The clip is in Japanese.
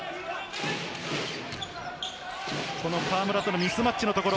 河村とのミスマッチのところ。